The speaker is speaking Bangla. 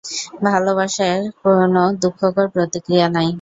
ভালবাসায় কোন দুঃখকর প্রতিক্রিয়া নাই।